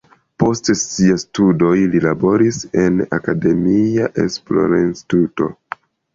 Post siaj studoj li laboris en akademia esplorinstituto.